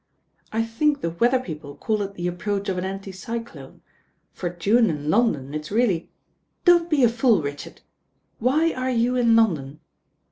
"I think the weather people call it the approach of an anti cyclone. For June in London it's really " "Don't be a fool, Richard. Why are you in Lon don?"